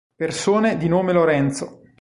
Persone di nome Lorenzo